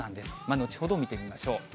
後ほど見てみましょう。